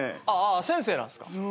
あっ先生なんすか？